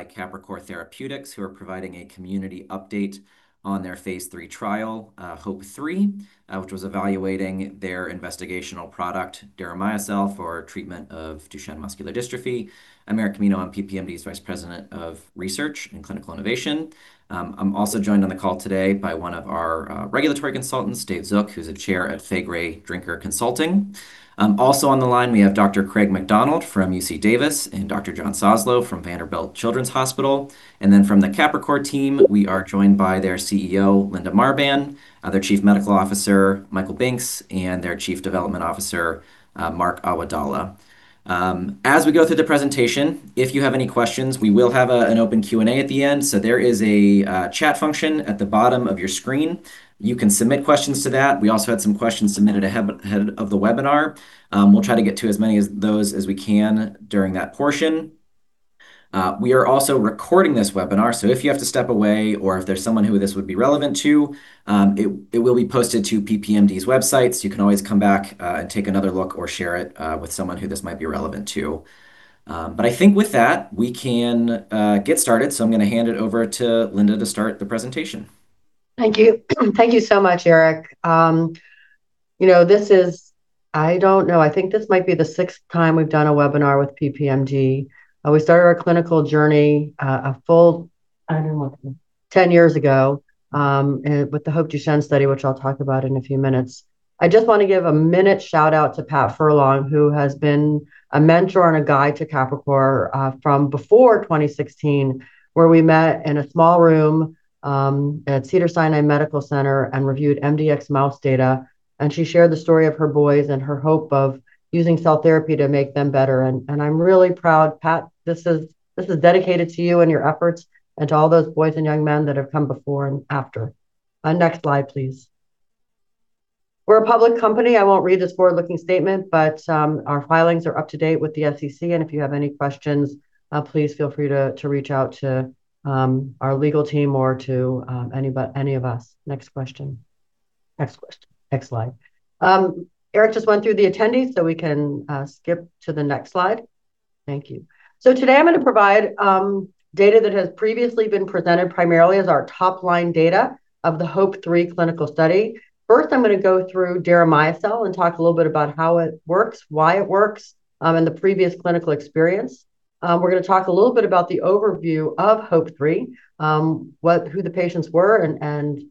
By Capricor Therapeutics, who are providing a community update on their phase III trial, HOPE-3, which was evaluating their investigational product, Deramiocel, for treatment of Duchenne muscular dystrophy. I'm Eric Camino, PPMD's Vice President of Research and Clinical Innovation. I'm also joined on the call today by one of our regulatory consultants, Dave Zook, who's a Chair at Faegre Drinker Consulting. Also on the line, we have Dr. Craig McDonald from UC Davis and Dr. Jonathan Soslow from Vanderbilt Children's Hospital. And then from the Capricor team, we are joined by their CEO, Linda Marbán, their Chief Medical Officer, Michael Binks, and their Chief Development Officer, Mark Awadalla. As we go through the presentation, if you have any questions, we will have an open Q&A at the end. So there is a chat function at the bottom of your screen. You can submit questions to that. We also had some questions submitted ahead of the webinar. We'll try to get to as many of those as we can during that portion. We are also recording this webinar, so if you have to step away or if there's someone who this would be relevant to, it will be posted to PPMD's websites. You can always come back and take another look or share it with someone who this might be relevant to. But I think with that, we can get started. So I'm going to hand it over to Linda to start the presentation. Thank you. Thank you so much, Eric. You know, this is, I don't know, I think this might be the sixth time we've done a webinar with PPMD. We started our clinical journey a full, I don't know, 10 years ago with the HOPE-Duchenne study, which I'll talk about in a few minutes. I just want to give a minute shout-out to Pat Furlong, who has been a mentor and a guide to Capricor from before 2016, where we met in a small room at Cedars-Sinai Medical Center and reviewed MDX mouse data. And she shared the story of her boys and her hope of using cell therapy to make them better. And I'm really proud, Pat, this is dedicated to you and your efforts and to all those boys and young men that have come before and after. Next slide, please. We're a public company. I won't read this forward-looking statement, but our filings are up to date with the SEC, and if you have any questions, please feel free to reach out to our legal team or to any of us. Next question. Next slide. Eric just went through the attendees, so we can skip to the next slide. Thank you, so today I'm going to provide data that has previously been presented primarily as our top-line data of the HOPE-3 clinical study. First, I'm going to go through Deramiocel and talk a little bit about how it works, why it works, and the previous clinical experience. We're going to talk a little bit about the overview of HOPE-3, who the patients were and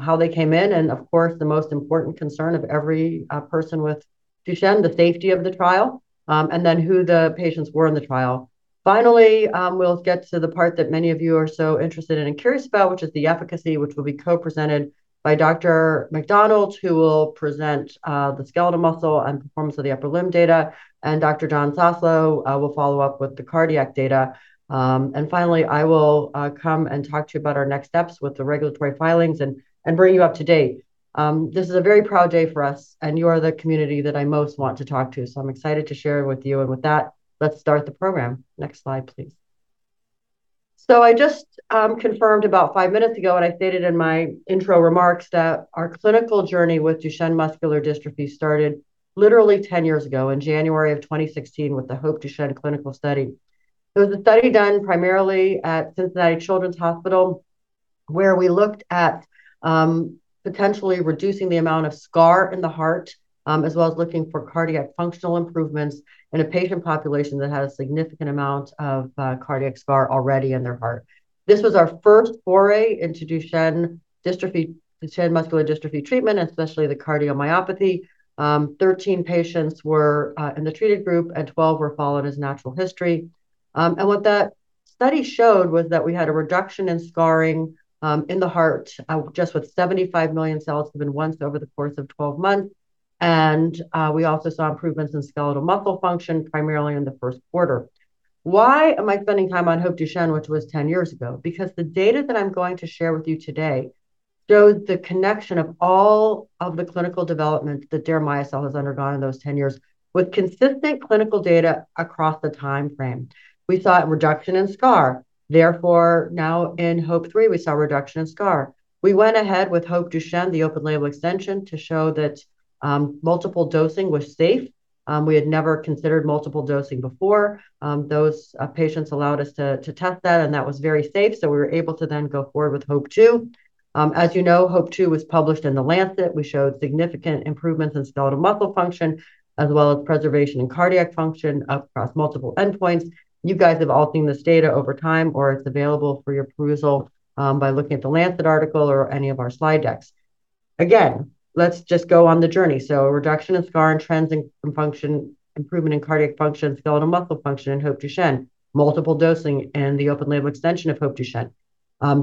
how they came in. Of course, the most important concern of every person with Duchenne, the safety of the trial, and then who the patients were in the trial. Finally, we'll get to the part that many of you are so interested in and curious about, which is the efficacy, which will be co-presented by Dr. McDonald, who will present the skeletal muscle and performance of the upper limb data. Dr. Jon Soslow will follow up with the cardiac data. Finally, I will come and talk to you about our next steps with the regulatory filings and bring you up to date. This is a very proud day for us, and you are the community that I most want to talk to. I'm excited to share with you. With that, let's start the program. Next slide, please. So I just confirmed about five minutes ago, and I stated in my intro remarks that our clinical journey with Duchenne muscular dystrophy started literally 10 years ago in January of 2016 with the HOPE-Duchenne clinical study. It was a study done primarily at Cincinnati Children's Hospital, where we looked at potentially reducing the amount of scar in the heart, as well as looking for cardiac functional improvements in a patient population that had a significant amount of cardiac scar already in their heart. This was our first foray into Duchenne muscular dystrophy treatment, especially the cardiomyopathy. 13 patients were in the treated group, and 12 were followed as natural history. And what that study showed was that we had a reduction in scarring in the heart just with 75 million cells given once over the course of 12 months. And we also saw improvements in skeletal muscle function primarily in the first quarter. Why am I spending time on HOPE-Duchenne, which was 10 years ago? Because the data that I'm going to share with you today shows the connection of all of the clinical development that Deramiocel has undergone in those 10 years with consistent clinical data across the time frame. We saw a reduction in scar. Therefore, now in HOPE-3, we saw a reduction in scar. We went ahead with HOPE-Duchenne, the open label extension, to show that multiple dosing was safe. We had never considered multiple dosing before. Those patients allowed us to test that, and that was very safe. So we were able to then go forward with HOPE-2. As you know, HOPE-2 was published in The Lancet. We showed significant improvements in skeletal muscle function, as well as preservation and cardiac function across multiple endpoints. You guys have all seen this data over time, or it's available for your perusal by looking at The Lancet article or any of our slide decks. Again, let's just go on the journey, so reduction in scar and trends in function, improvement in cardiac function, skeletal muscle function in HOPE-Duchenne, multiple dosing, and the open label extension of HOPE-Duchenne.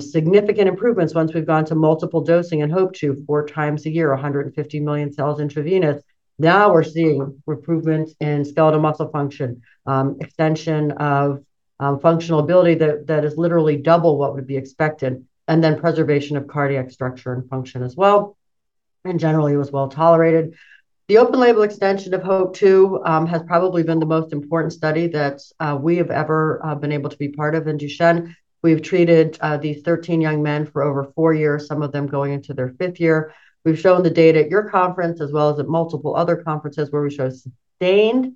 Significant improvements once we've gone to multiple dosing in HOPE-2 four times a year, 150 million cells intravenous. Now we're seeing improvements in skeletal muscle function, extension of functional ability that is literally double what would be expected, and then preservation of cardiac structure and function as well, and generally, it was well tolerated. The open label extension of HOPE-2 has probably been the most important study that we have ever been able to be part of in Duchenne. We've treated these 13 young men for over four years, some of them going into their fifth year. We've shown the data at your conference, as well as at multiple other conferences, where we show sustained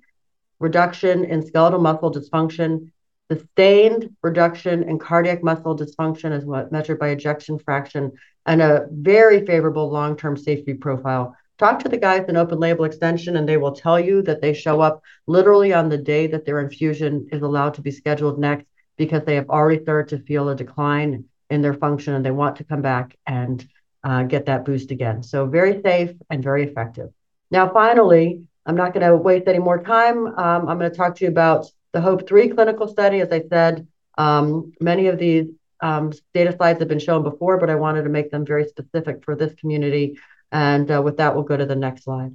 reduction in skeletal muscle dysfunction. Sustained reduction in cardiac muscle dysfunction is measured by ejection fraction and a very favorable long-term safety profile. Talk to the guys in open label extension, and they will tell you that they show up literally on the day that their infusion is allowed to be scheduled next because they have already started to feel a decline in their function, and they want to come back and get that boost again. So very safe and very effective. Now, finally, I'm not going to waste any more time. I'm going to talk to you about the HOPE-3 clinical study. As I said, many of these data slides have been shown before, but I wanted to make them very specific for this community. And with that, we'll go to the next slide.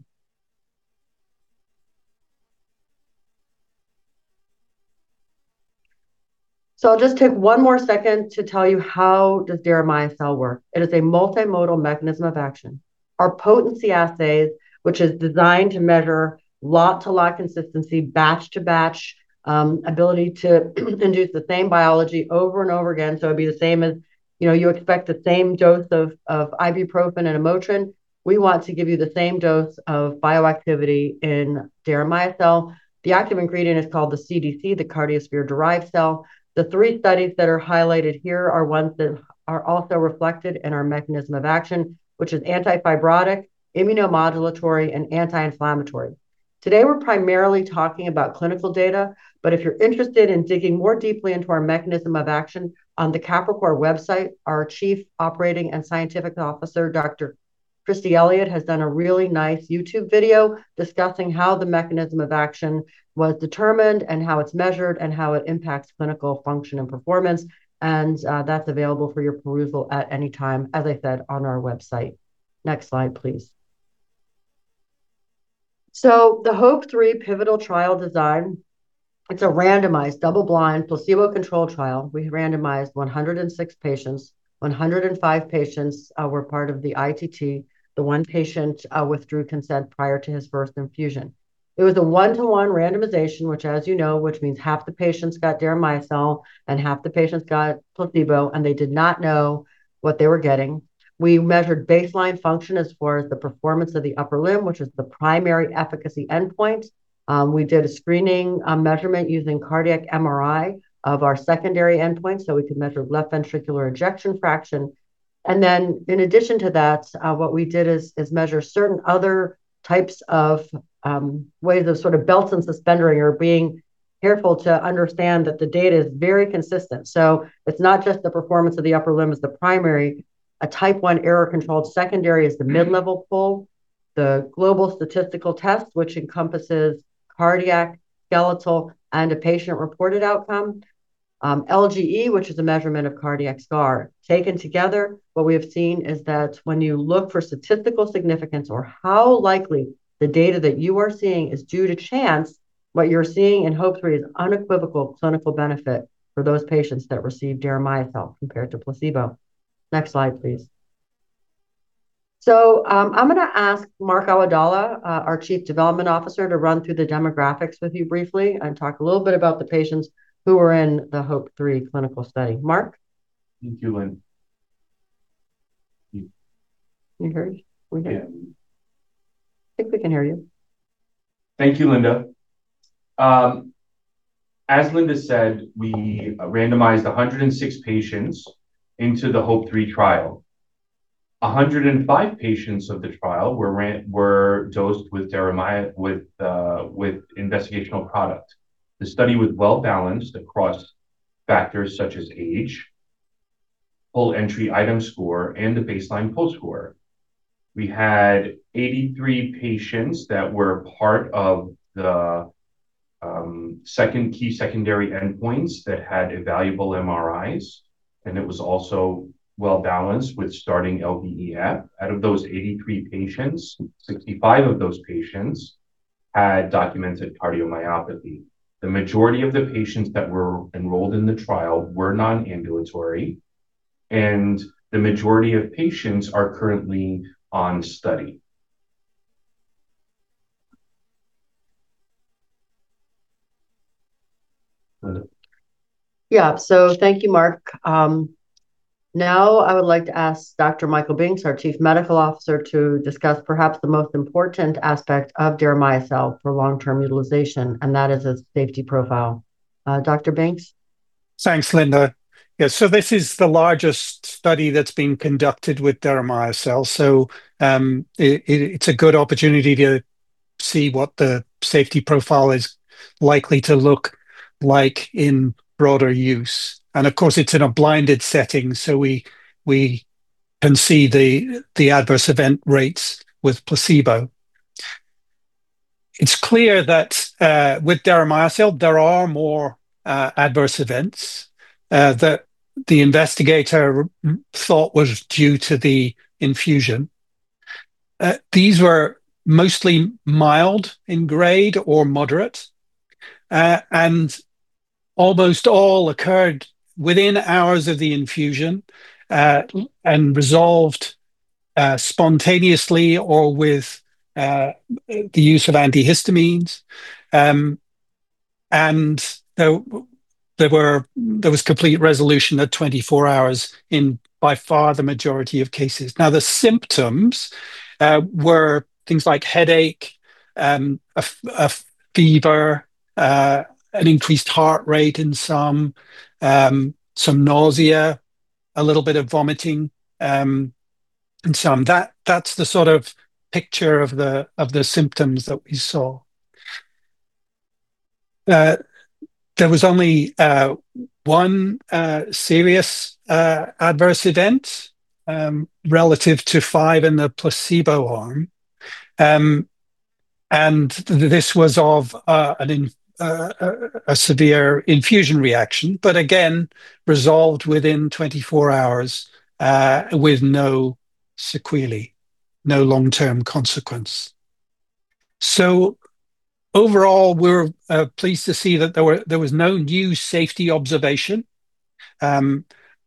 So I'll just take one more second to tell you how does Deramiocel work. It is a multimodal mechanism of action. Our potency assay, which is designed to measure lot-to-lot consistency, batch-to-batch ability to induce the same biology over and over again. So it'd be the same as you expect the same dose of ibuprofen and Motrin. We want to give you the same dose of bioactivity in Deramiocel. The active ingredient is called the CDC, the cardiosphere-derived cell. The three studies that are highlighted here are ones that are also reflected in our mechanism of action, which is anti-fibrotic, immunomodulatory, and anti-inflammatory. Today, we're primarily talking about clinical data, but if you're interested in digging more deeply into our mechanism of action on the Capricor website, our Chief Operating and Scientific Officer, Dr. Kristi Elliott, has done a really nice YouTube video discussing how the mechanism of action was determined and how it's measured and how it impacts clinical function and performance. And that's available for your perusal at any time, as I said, on our website. Next slide, please. The HOPE-3 pivotal trial design is a randomized, double-blind, placebo-controlled trial. We randomized 106 patients. 105 patients were part of the ITT. The one patient withdrew consent prior to his first infusion. It was a one-to-one randomization, which, as you know, means half the patients got Deramiocel and half the patients got placebo, and they did not know what they were getting. We measured baseline function as far as the performance of the upper limb, which is the primary efficacy endpoint. We did a screening measurement using cardiac MRI of our secondary endpoints so we could measure left ventricular ejection fraction. And then, in addition to that, what we did is measure certain other types of ways of sort of belt and suspend where you're being careful to understand that the data is very consistent. So it's not just the performance of the upper limb as the primary. A Type I error-controlled secondary is the mid-level PUL, the Global Statistical Test, which encompasses cardiac, skeletal, and a patient-reported outcome, LGE, which is a measurement of cardiac scar. Taken together, what we have seen is that when you look for statistical significance or how likely the data that you are seeing is due to chance, what you're seeing in HOPE-3 is unequivocal clinical benefit for those patients that receive Deramiocel compared to placebo. Next slide, please. So I'm going to ask Mark Awadalla, our Chief Development Officer, to run through the demographics with you briefly and talk a little bit about the patients who were in the HOPE-3 clinical study. Mark. Thank you, Linda. Can you hear us? Yeah. I think we can hear you. Thank you, Linda. As Linda said, we randomized 106 patients into the HOPE-3 trial. 105 patients of the trial were dosed with investigational product. The study was well-balanced across factors such as age, PUL entry item score, and the baseline PUL score. We had 83 patients that were part of the key secondary endpoints that had evaluable MRIs, and it was also well-balanced with starting LVEF. Out of those 83 patients, 65 of those patients had documented cardiomyopathy. The majority of the patients that were enrolled in the trial were non-ambulatory, and the majority of patients are currently on study. Yeah. So thank you, Mark. Now, I would like to ask Dr. Michael Binks, our Chief Medical Officer, to discuss perhaps the most important aspect of Deramiocel for long-term utilization, and that is a safety profile. Dr. Binks? Thanks, Linda. Yeah, so this is the largest study that's been conducted with Deramiocel. So it's a good opportunity to see what the safety profile is likely to look like in broader use, and of course, it's in a blinded setting, so we can see the adverse event rates with placebo. It's clear that with Deramiocel, there are more adverse events that the investigator thought were due to the infusion. These were mostly mild in grade or moderate, and almost all occurred within hours of the infusion and resolved spontaneously or with the use of antihistamines, and there was complete resolution at 24 hours in by far the majority of cases. Now, the symptoms were things like headache, fever, an increased heart rate in some, some nausea, a little bit of vomiting in some. That's the sort of picture of the symptoms that we saw. There was only one serious adverse event relative to five in the placebo arm, and this was of a severe infusion reaction, but again, resolved within 24 hours with no sequelae, no long-term consequence, so overall, we're pleased to see that there was no new safety observation, and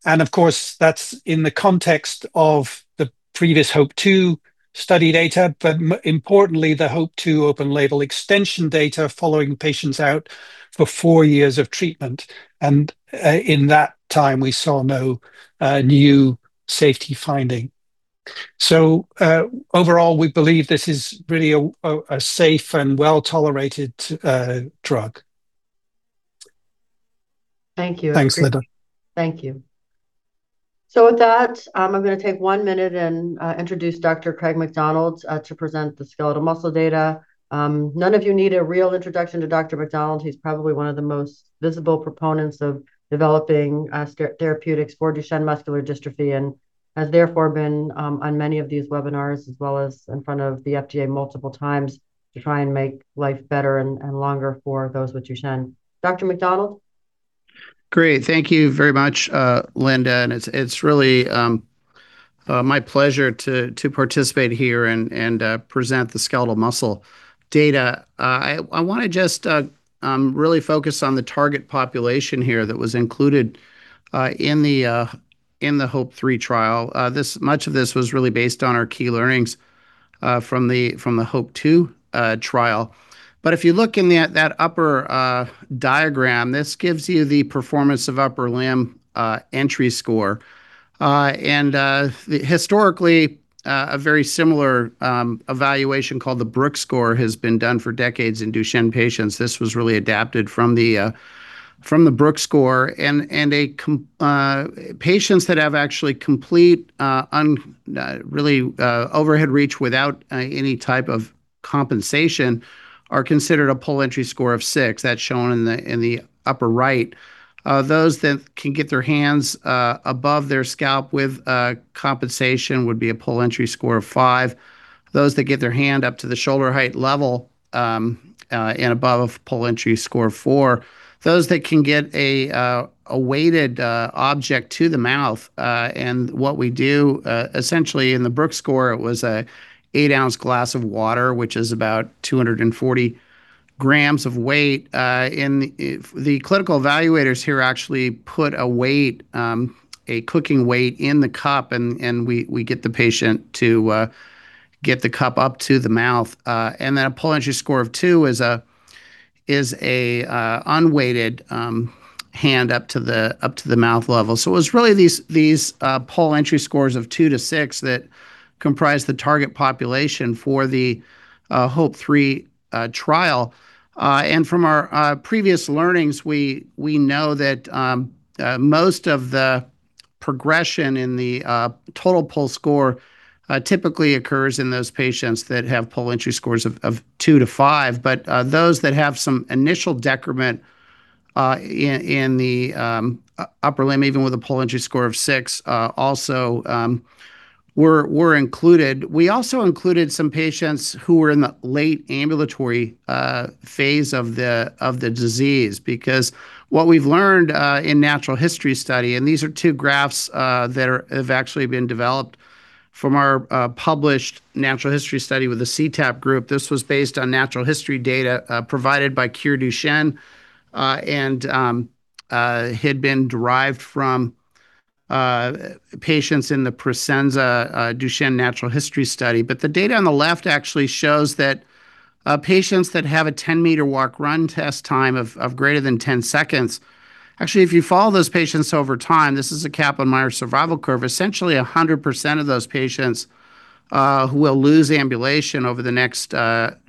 of course, that's in the context of the previous HOPE-2 study data, but importantly, the HOPE-2 open label extension data following patients out for four years of treatment, and in that time, we saw no new safety finding, so overall, we believe this is really a safe and well-tolerated drug. Thank you. Thanks, Linda. Thank you. So with that, I'm going to take one minute and introduce Dr. Craig McDonald to present the skeletal muscle data. None of you need a real introduction to Dr. McDonald. He's probably one of the most visible proponents of developing therapeutics for Duchenne muscular dystrophy and has therefore been on many of these webinars, as well as in front of the FDA multiple times to try and make life better and longer for those with Duchenne. Dr. McDonald? Great. Thank you very much, Linda. It's really my pleasure to participate here and present the skeletal muscle data. I want to just really focus on the target population here that was included in the HOPE-3 trial. Much of this was really based on our key learnings from the HOPE-2 trial. If you look in that upper diagram, this gives you the performance of upper limb entry score. Historically, a very similar evaluation called the Brooke score has been done for decades in Duchenne patients. This was really adapted from the Brooke score. Patients that have actually complete really overhead reach without any type of compensation are considered a PUL entry score of six. That's shown in the upper right. Those that can get their hands above their scalp with compensation would be a PUL entry score of five. Those that get their hand up to the shoulder height level and above a PUL entry score of four. Those that can get a weighted object to the mouth. What we do essentially in the Brooke score, it was an eight-ounce glass of water, which is about 240 g of weight. The clinical evaluators here actually put a weight, a cooking weight in the cup, and we get the patient to get the cup up to the mouth. Then a PUL entry score of two is an unweighted hand up to the mouth level. So it was really these PUL entry scores of two to six that comprised the target population for the HOPE-3 trial. From our previous learnings, we know that most of the progression in the total PUL score typically occurs in those patients that have PUL entry scores of two to five. But those that have some initial decrement in the upper limb, even with a PUL entry score of six, also were included. We also included some patients who were in the late ambulatory phase of the disease because what we've learned in natural history study, and these are two graphs that have actually been developed from our published natural history study with the cTAP group. This was based on natural history data provided by CureDuchenne and had been derived from patients in the Prosensa Duchenne natural history study. But the data on the left actually shows that patients that have a 10-meter walk/run test time of greater than 10 seconds, actually, if you follow those patients over time, this is a Kaplan-Meier survival curve, essentially 100% of those patients will lose ambulation over the next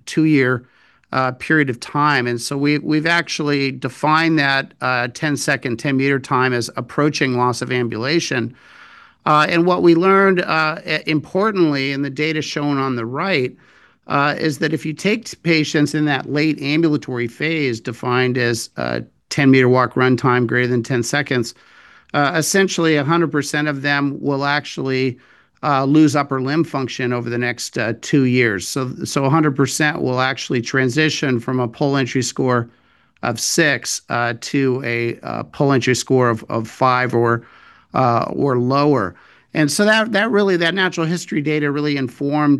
two-year period of time. We've actually defined that 10-second, 10-meter time as approaching loss of ambulation. What we learned, importantly, in the data shown on the right, is that if you take patients in that late ambulatory phase defined as 10-meter walk/run time greater than 10 seconds, essentially 100% of them will actually lose upper limb function over the next two years. 100% will actually transition from a PUL entry score of six to a PUL entry score of five or lower. That natural history data really informed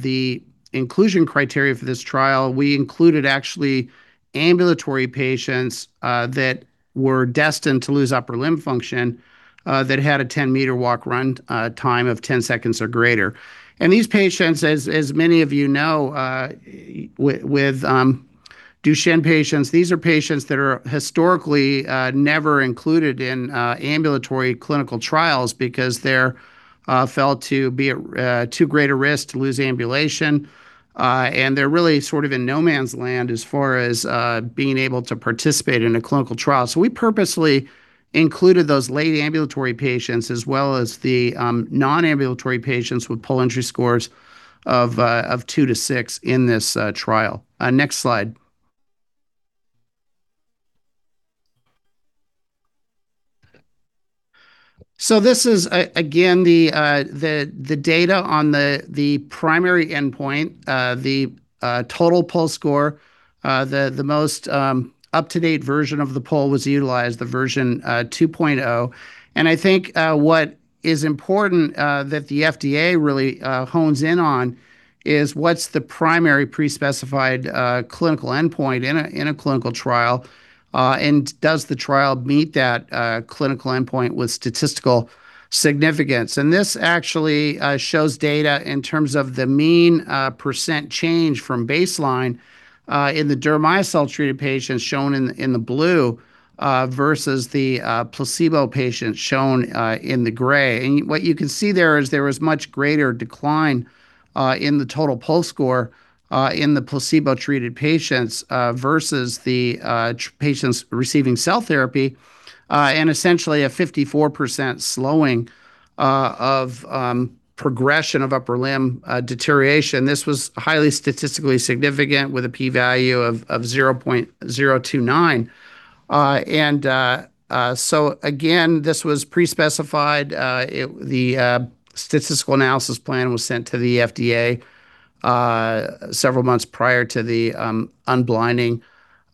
the inclusion criteria for this trial. We included actually ambulatory patients that were destined to lose upper limb function that had a 10-meter walk/run time of 10 seconds or greater. And these patients, as many of you know, with Duchenne patients, these are patients that are historically never included in ambulatory clinical trials because they're felt to be at too great a risk to lose ambulation. And they're really sort of in no-man's land as far as being able to participate in a clinical trial. So we purposely included those late ambulatory patients as well as the non-ambulatory patients with PUL entry scores of two to six in this trial. Next slide. So this is, again, the data on the primary endpoint, the total PUL score. The most up-to-date version of the PUL was utilized, the version 2.0. And I think what is important that the FDA really hones in on is what's the primary pre-specified clinical endpoint in a clinical trial and does the trial meet that clinical endpoint with statistical significance. And this actually shows data in terms of the mean percent change from baseline in the Deramiocel treated patients shown in the blue versus the placebo patients shown in the gray. And what you can see there is there was much greater decline in the total PUL score in the placebo-treated patients versus the patients receiving cell therapy and essentially a 54% slowing of progression of upper limb deterioration. This was highly statistically significant with a p-value of 0.029. And so, again, this was pre-specified. The statistical analysis plan was sent to the FDA several months prior to the unblinding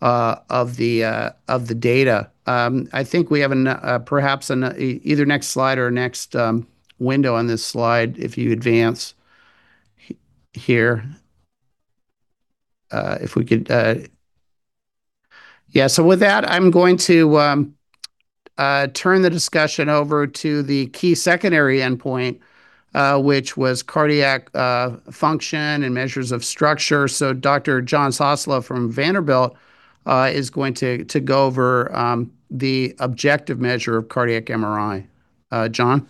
of the data. I think we have perhaps an either next slide or next window on this slide if you advance here. If we could, yeah. So with that, I'm going to turn the discussion over to the key secondary endpoint, which was cardiac function and measures of structure. Dr. Jon Soslow from Vanderbilt is going to go over the objective measure of cardiac MRI. Jon?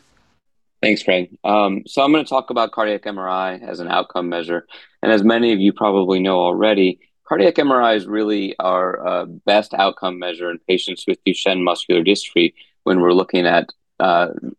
Thanks, Craig. So I'm going to talk about cardiac MRI as an outcome measure. And as many of you probably know already, cardiac MRIs really are a best outcome measure in patients with Duchenne muscular dystrophy when we're looking at the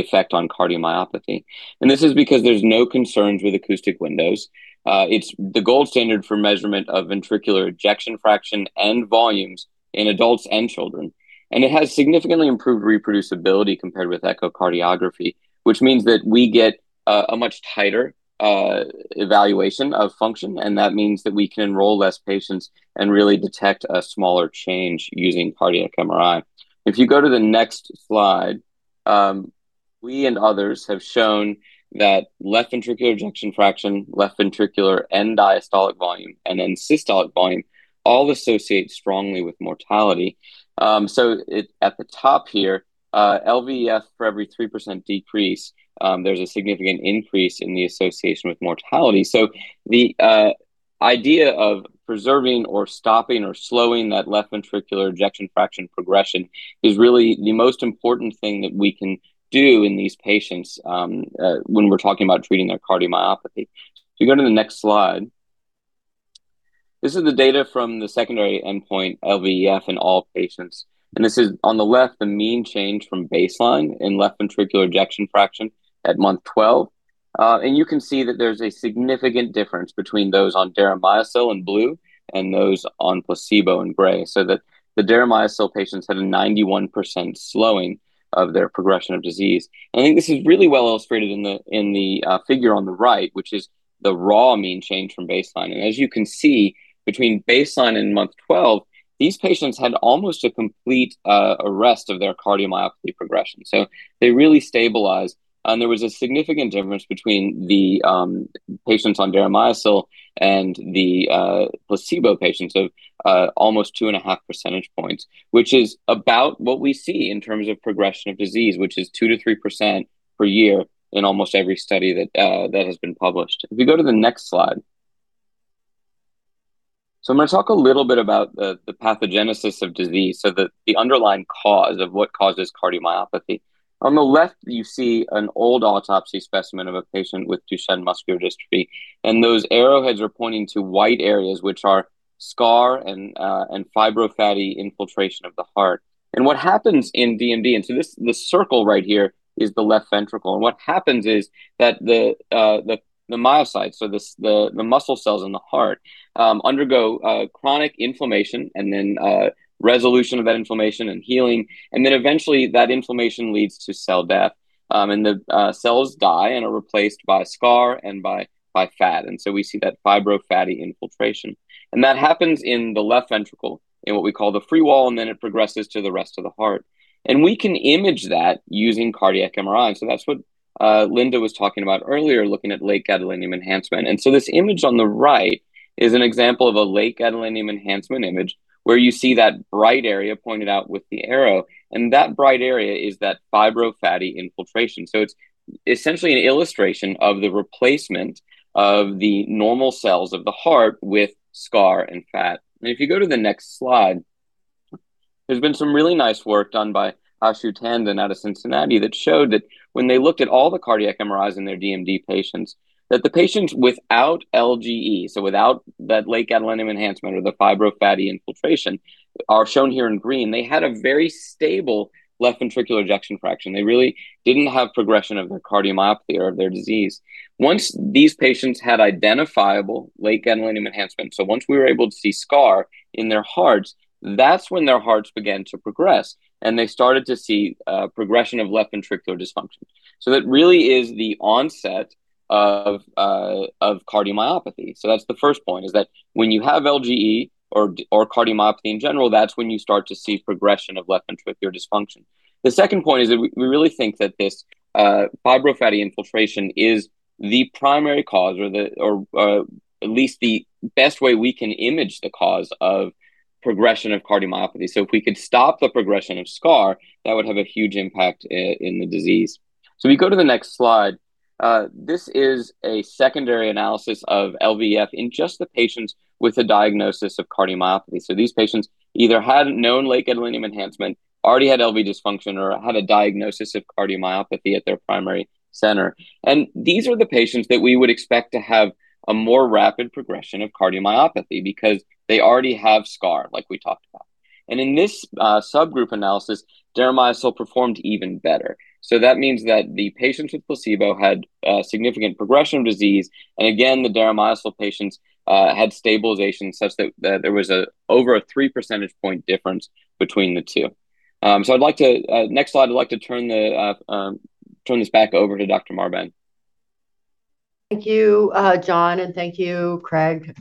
effect on cardiomyopathy. And this is because there's no concerns with acoustic windows. It's the gold standard for measurement of ventricular ejection fraction and volumes in adults and children. And it has significantly improved reproducibility compared with echocardiography, which means that we get a much tighter evaluation of function. And that means that we can enroll less patients and really detect a smaller change using cardiac MRI. If you go to the next slide, we and others have shown that left ventricular ejection fraction, left ventricular end-diastolic volume, and then systolic volume all associate strongly with mortality. So at the top here, LVEF for every 3% decrease, there's a significant increase in the association with mortality. So the idea of preserving or stopping or slowing that left ventricular ejection fraction progression is really the most important thing that we can do in these patients when we're talking about treating their cardiomyopathy. If you go to the next slide, this is the data from the secondary endpoint, LVEF in all patients. And this is on the left, the mean change from baseline in left ventricular ejection fraction at month 12. And you can see that there's a significant difference between those on Deramiocel in blue and those on placebo in gray. So that the Deramiocel patients had a 91% slowing of their progression of disease. And I think this is really well illustrated in the figure on the right, which is the raw mean change from baseline. As you can see, between baseline and month 12, these patients had almost a complete arrest of their cardiomyopathy progression. They really stabilized. There was a significant difference between the patients on Deramiocel and the placebo patients of almost 2.5 percentage points, which is about what we see in terms of progression of disease, which is 2%-3% per year in almost every study that has been published. If you go to the next slide, so I'm going to talk a little bit about the pathogenesis of disease, so the underlying cause of what causes cardiomyopathy. On the left, you see an old autopsy specimen of a patient with Duchenne muscular dystrophy. Those arrowheads are pointing to white areas, which are scar and fibrofatty infiltration of the heart. And what happens in DMD, and so this circle right here is the left ventricle. And what happens is that the myocytes, so the muscle cells in the heart, undergo chronic inflammation and then resolution of that inflammation and healing. And then eventually, that inflammation leads to cell death. And the cells die and are replaced by scar and by fat. And so we see that fibrofatty infiltration. And that happens in the left ventricle in what we call the free wall, and then it progresses to the rest of the heart. And we can image that using cardiac MRI. And so that's what Linda was talking about earlier, looking at late gadolinium enhancement. And so this image on the right is an example of a late gadolinium enhancement image where you see that bright area pointed out with the arrow. And that bright area is that fibrofatty infiltration. So it's essentially an illustration of the replacement of the normal cells of the heart with scar and fat. And if you go to the next slide, there's been some really nice work done by Aashoo Tandon out of Cincinnati that showed that when they looked at all the cardiac MRIs in their DMD patients, that the patients without LGE, so without that late gadolinium enhancement or the fibrofatty infiltration, are shown here in green, they had a very stable left ventricular ejection fraction. They really didn't have progression of their cardiomyopathy or of their disease. Once these patients had identifiable late gadolinium enhancement, so once we were able to see scar in their hearts, that's when their hearts began to progress. And they started to see progression of left ventricular dysfunction. So that really is the onset of cardiomyopathy. So that's the first point, is that when you have LGE or cardiomyopathy in general, that's when you start to see progression of left ventricular dysfunction. The second point is that we really think that this fibrofatty infiltration is the primary cause or at least the best way we can image the cause of progression of cardiomyopathy. So if we could stop the progression of scar, that would have a huge impact in the disease. So if you go to the next slide, this is a secondary analysis of LVEF in just the patients with a diagnosis of cardiomyopathy. So these patients either had known late gadolinium enhancement, already had LV dysfunction, or had a diagnosis of cardiomyopathy at their primary center. And these are the patients that we would expect to have a more rapid progression of cardiomyopathy because they already have scar, like we talked about. In this subgroup analysis, Deramiocel performed even better. That means that the patients with placebo had significant progression of disease. Again, the Deramiocel patients had stabilization such that there was over a 3 percentage point difference between the two. I'd like to, next slide, I'd like to turn this back over to Dr. Marbán. Thank you, Jon, and thank you, Craig.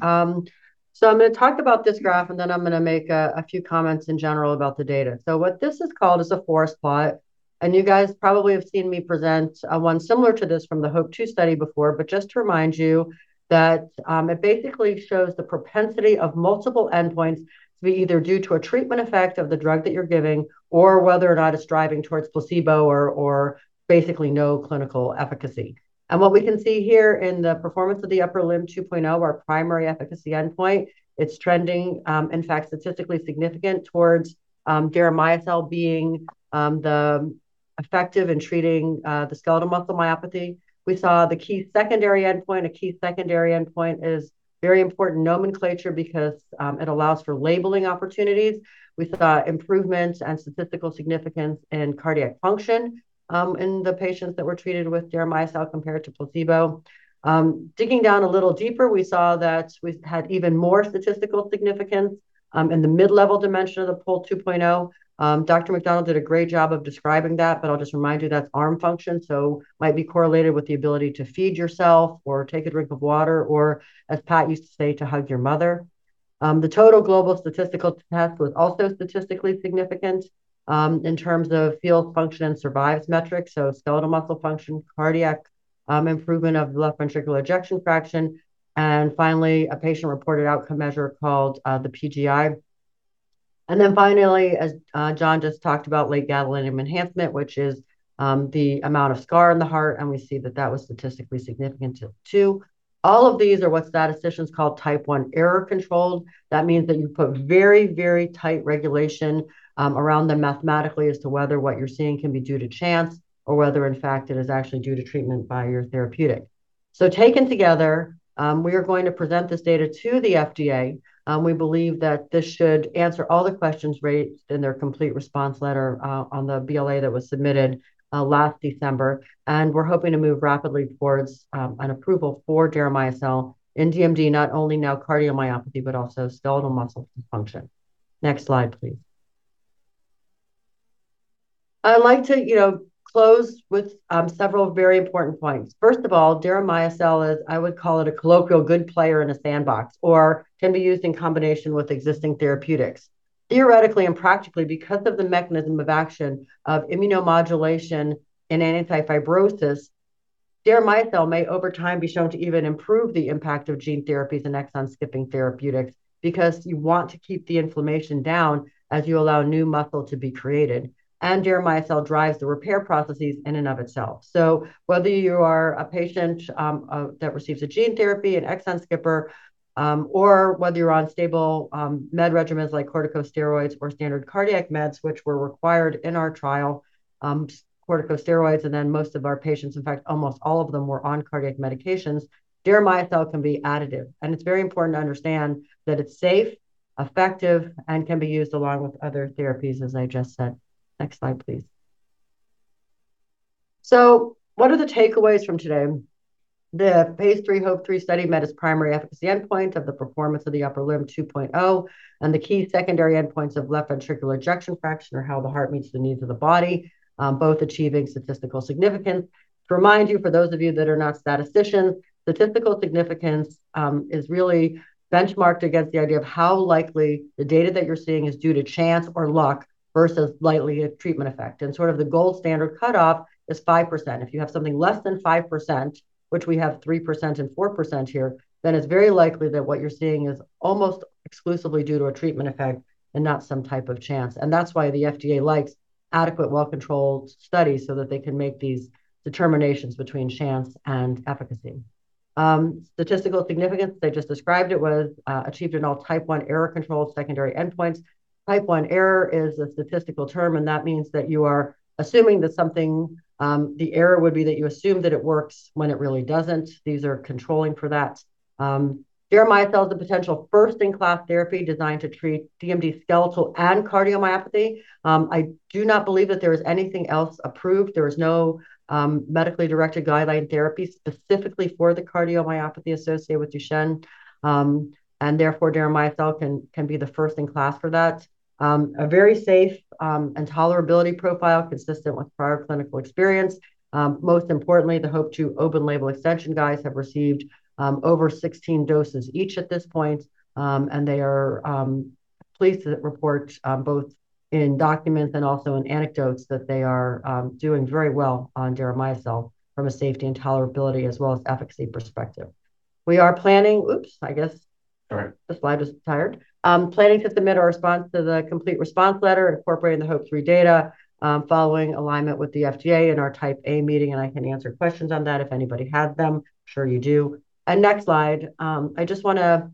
So I'm going to talk about this graph, and then I'm going to make a few comments in general about the data. So what this is called is a forest plot. And you guys probably have seen me present one similar to this from the HOPE-2 study before, but just to remind you that it basically shows the propensity of multiple endpoints to be either due to a treatment effect of the drug that you're giving or whether or not it's driving towards placebo or basically no clinical efficacy. And what we can see here in the Performance of the Upper Limb 2.0, our primary efficacy endpoint, it's trending, in fact, statistically significant towards Deramiocel being effective in treating the skeletal muscle myopathy. We saw the key secondary endpoint. A key secondary endpoint is very important nomenclature because it allows for labeling opportunities. We saw improvement and statistical significance in cardiac function in the patients that were treated with Deramiocel compared to placebo. Digging down a little deeper, we saw that we had even more statistical significance in the mid-level dimension of the PUL 2.0. Dr. McDonald did a great job of describing that, but I'll just remind you that's arm function, so it might be correlated with the ability to feed yourself or take a drink of water or, as Pat used to say, to hug your mother. The total global statistical test was also statistically significant in terms of PUL function and survival metrics, so skeletal muscle function, cardiac improvement of the left ventricular ejection fraction, and finally, a patient reported outcome measure called the PGI. And then finally, as Jon just talked about, late gadolinium enhancement, which is the amount of scar in the heart, and we see that that was statistically significant too. All of these are what statisticians call Type I error controlled. That means that you put very, very tight regulation around them mathematically as to whether what you're seeing can be due to chance or whether, in fact, it is actually due to treatment by your therapeutic. So taken together, we are going to present this data to the FDA. We believe that this should answer all the questions raised in their Complete Response Letter on the BLA that was submitted last December. And we're hoping to move rapidly towards an approval for Deramiocel in DMD, not only now cardiomyopathy, but also skeletal muscle dysfunction. Next slide, please. I'd like to close with several very important points. First of all, Deramiocel is. I would call it a colloquial good player in a sandbox or can be used in combination with existing therapeutics. Theoretically and practically, because of the mechanism of action of immunomodulation and anti-fibrosis, Deramiocel may over time be shown to even improve the impact of gene therapies and exon-skipping therapeutics because you want to keep the inflammation down as you allow new muscle to be created. And Deramiocel drives the repair processes in and of itself. So whether you are a patient that receives a gene therapy, an exon-skipper, or whether you're on stable med regimens like corticosteroids or standard cardiac meds, which were required in our trial, corticosteroids, and then most of our patients, in fact, almost all of them were on cardiac medications, Deramiocel can be additive. It's very important to understand that it's safe, effective, and can be used along with other therapies, as I just said. Next slide, please. What are the takeaways from today? The phase III HOPE-3 study met its primary efficacy endpoint of the Performance of the Upper Limb 2.0 and the key secondary endpoints of left ventricular ejection fraction or how the heart meets the needs of the body, both achieving statistical significance. To remind you, for those of you that are not statisticians, statistical significance is really benchmarked against the idea of how likely the data that you're seeing is due to chance or luck versus likely a treatment effect. Sort of the gold standard cutoff is 5%. If you have something less than 5%, which we have 3% and 4% here, then it's very likely that what you're seeing is almost exclusively due to a treatment effect and not some type of chance, and that's why the FDA likes adequate, well-controlled studies so that they can make these determinations between chance and efficacy. Statistical significance, they just described it, was achieved in all Type I error controlled secondary endpoints. Type I error is a statistical term, and that means that you are assuming that something, the error would be that you assume that it works when it really doesn't. These are controlling for that. Deramiocel is a potential first-in-class therapy designed to treat DMD skeletal and cardiomyopathy. I do not believe that there is anything else approved. There is no medically directed guideline therapy specifically for the cardiomyopathy associated with Duchenne. Therefore, Deramiocel can be the first in class for that. A very safe and tolerability profile consistent with prior clinical experience. Most importantly, the HOPE-2 open-label extension guys have received over 16 doses each at this point. They are pleased to report both in documents and also in anecdotes that they are doing very well on Deramiocel from a safety and tolerability as well as efficacy perspective. We are planning, oops, I guess the slide just retired. Planning to submit our response to the Complete Response Letter incorporating the HOPE-3 data following alignment with the FDA in our Type A meeting. I can answer questions on that if anybody has them. I'm sure you do. Next slide, I just want to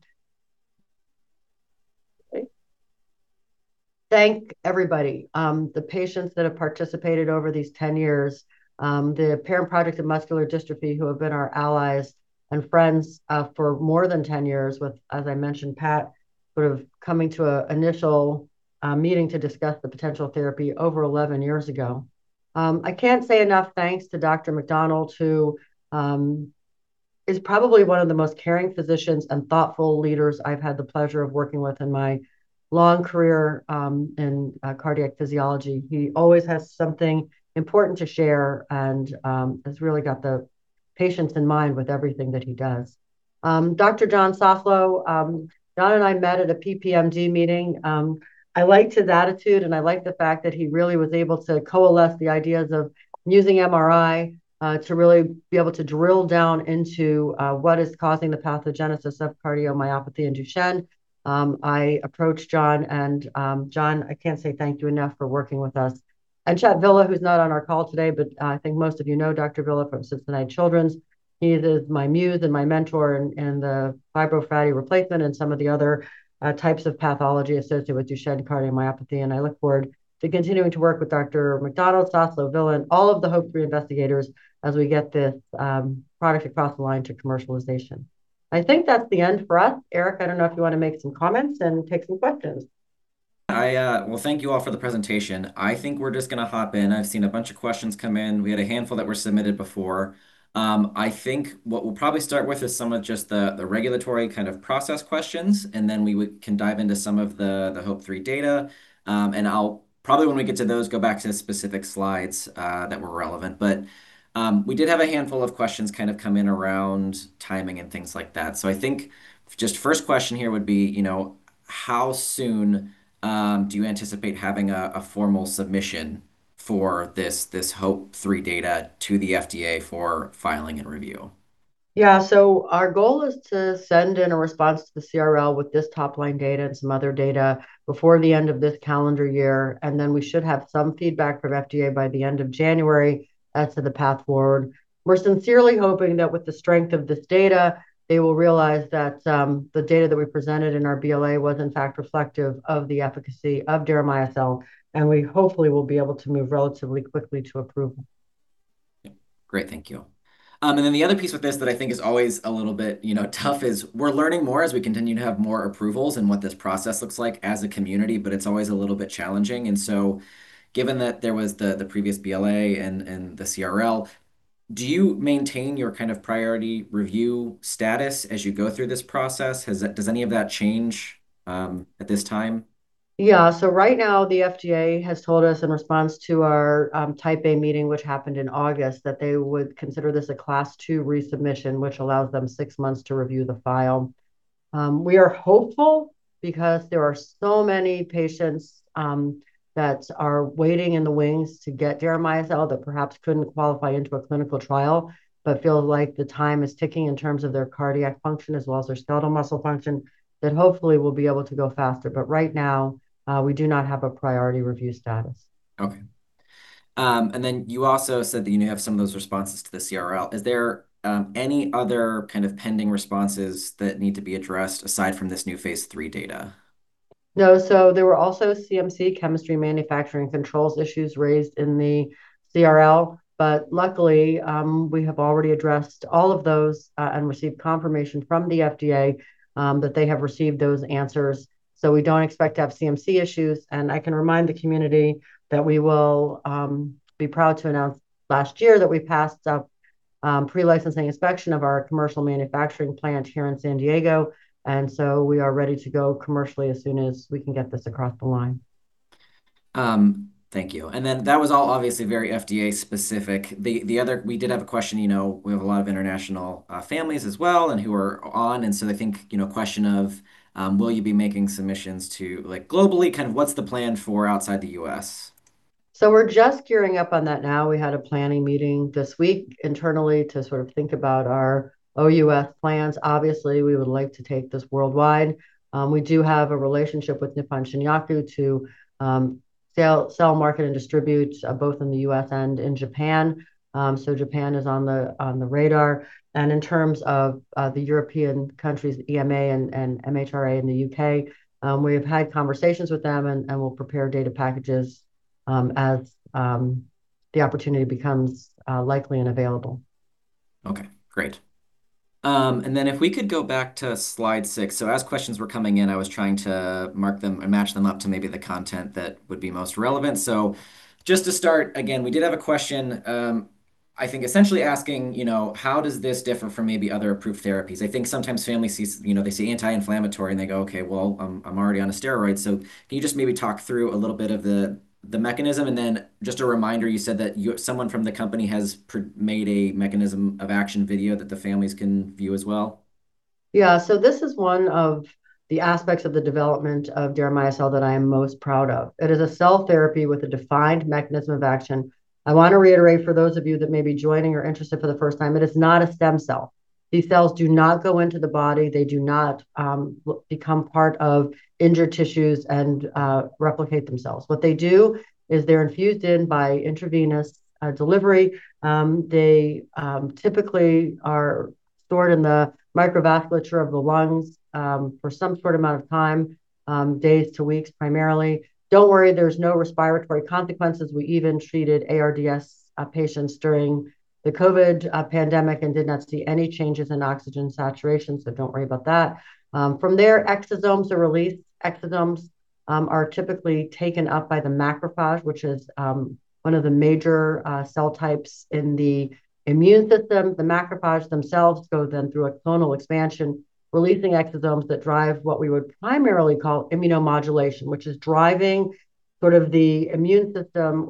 thank everybody, the patients that have participated over these 10 years, the Parent Project Muscular Dystrophy who have been our allies and friends for more than 10 years with, as I mentioned, Pat, sort of coming to an initial meeting to discuss the potential therapy over 11 years ago. I can't say enough thanks to Dr. McDonald, who is probably one of the most caring physicians and thoughtful leaders I've had the pleasure of working with in my long career in cardiac physiology. He always has something important to share and has really got the patients in mind with everything that he does. Dr. Jonathan Soslow, Jon and I met at a PPMD meeting. I liked his attitude, and I liked the fact that he really was able to coalesce the ideas of using MRI to really be able to drill down into what is causing the pathogenesis of cardiomyopathy in Duchenne. I approached Jon, and Jon, I can't say thank you enough for working with us, and Chet Villa, who's not on our call today, but I think most of you know Dr. Villa from Cincinnati Children's. He is my muse and my mentor in the fibrofatty replacement and some of the other types of pathology associated with Duchenne cardiomyopathy, and I look forward to continuing to work with Dr. McDonald, Soslow, Villa, and all of the HOPE-3 investigators as we get this product across the line to commercialization. I think that's the end for us. Eric, I don't know if you want to make some comments and take some questions. Well, thank you all for the presentation. I think we're just going to hop in. I've seen a bunch of questions come in. We had a handful that were submitted before. I think what we'll probably start with is some of just the regulatory kind of process questions, and then we can dive into some of the HOPE-3 data. And I'll probably, when we get to those, go back to specific slides that were relevant. But we did have a handful of questions kind of come in around timing and things like that. So I think just first question here would be, how soon do you anticipate having a formal submission for this HOPE-3 data to the FDA for filing and review? Yeah. So our goal is to send in a response to the CRL with this top-line data and some other data before the end of this calendar year. And then we should have some feedback from FDA by the end of January to the path forward. We're sincerely hoping that with the strength of this data, they will realize that the data that we presented in our BLA was, in fact, reflective of the efficacy of Deramiocel. And we hopefully will be able to move relatively quickly to approval. Yeah. Great. Thank you. And then the other piece with this that I think is always a little bit tough is we're learning more as we continue to have more approvals and what this process looks like as a community, but it's always a little bit challenging. And so given that there was the previous BLA and the CRL, do you maintain your kind of priority review status as you go through this process? Does any of that change at this time? Yeah, so right now, the FDA has told us in response to our Type A meeting, which happened in August, that they would consider this a Class 2 resubmission, which allows them six months to review the file. We are hopeful because there are so many patients that are waiting in the wings to get Deramiocel that perhaps couldn't qualify into a clinical trial, but feel like the time is ticking in terms of their cardiac function as well as their skeletal muscle function, and that hopefully will be able to go faster, but right now we do not have a priority review status. Okay. And then you also said that you have some of those responses to the CRL. Is there any other kind of pending responses that need to be addressed aside from this new phase III data? No. So there were also CMC Chemistry, Manufacturing, and Controls issues raised in the CRL. But luckily, we have already addressed all of those and received confirmation from the FDA that they have received those answers. So we don't expect to have CMC issues. And I can remind the community that we will be proud to announce last year that we passed a pre-licensing inspection of our commercial manufacturing plant here in San Diego. And so we are ready to go commercially as soon as we can get this across the line. Thank you. And then that was all obviously very FDA specific. We did have a question. We have a lot of international families as well and who are on. And so I think a question of, will you be making submissions to globally? Kind of what's the plan for outside the U.S.? We're just gearing up on that now. We had a planning meeting this week internally to sort of think about our OUS plans. Obviously, we would like to take this worldwide. We do have a relationship with Nippon Shinyaku to sell, market, and distribute both in the U.S. and in Japan. So Japan is on the radar. In terms of the European countries, EMA and MHRA in the U.K., we have had conversations with them and will prepare data packages as the opportunity becomes likely and available. Okay. Great. And then if we could go back to slide 6. So as questions were coming in, I was trying to mark them and match them up to maybe the content that would be most relevant. So just to start again, we did have a question, I think essentially asking, how does this differ from maybe other approved therapies? I think sometimes families see anti-inflammatory and they go, "Okay, well, I'm already on a steroid." So can you just maybe talk through a little bit of the mechanism? And then just a reminder, you said that someone from the company has made a mechanism of action video that the families can view as well. Yeah, so this is one of the aspects of the development of Deramiocel that I am most proud of. It is a cell therapy with a defined mechanism of action. I want to reiterate for those of you that may be joining or interested for the first time, it is not a stem cell. These cells do not go into the body. They do not become part of injured tissues and replicate themselves. What they do is they're infused in by intravenous delivery. They typically are stored in the microvasculature of the lungs for some sort of amount of time, days to weeks primarily. Don't worry, there's no respiratory consequences. We even treated ARDS patients during the COVID pandemic and did not see any changes in oxygen saturation, so don't worry about that. From there, exosomes are released. Exosomes are typically taken up by the macrophage, which is one of the major cell types in the immune system. The macrophages themselves go then through a clonal expansion, releasing exosomes that drive what we would primarily call immunomodulation, which is driving sort of the immune system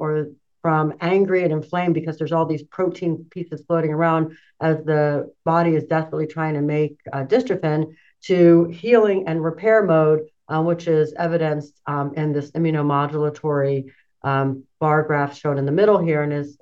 from angry and inflamed because there's all these protein pieces floating around as the body is desperately trying to make dystrophin to healing and repair mode, which is evidenced in this immunomodulatory bar graph shown in the middle here and as